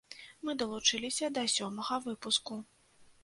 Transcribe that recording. Мы далучыліся да сёмага выпуску.